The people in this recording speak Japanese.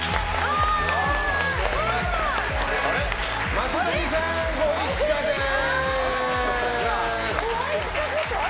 松谷さんご一家です！